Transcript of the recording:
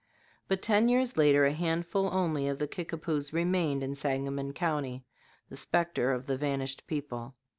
But ten years later a handful only of the Kickapoos remained in Sangamon County, the specter of the vanished people.